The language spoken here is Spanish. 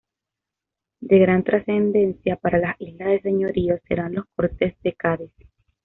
De gran trascendencia para las islas de Señorío serán las Cortes de Cádiz.